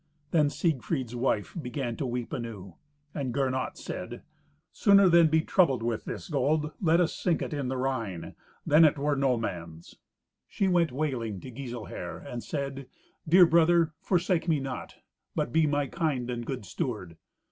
Then Siegfried's wife began to weep anew. And Gernot said, "Sooner than be troubled with this gold, let us sink it in the Rhine. Then it were no man's." She went wailing to Giselher, and said, "Dear brother, forsake me not, but be my kind and good steward."